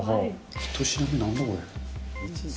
１品目、なんだこれ。